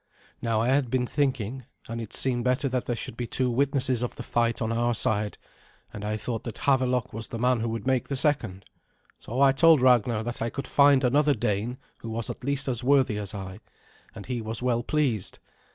Now I had been thinking, and it seemed better that there should be two witnesses of the fight on our side, and I thought that Havelok was the man who would make the second. So I told Ragnar that I could find another Dane who was at least as worthy as I, and he was well pleased.